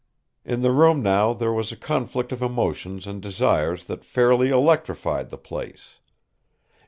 In the room now there was a conflict of emotions and desires that fairly electrified the place.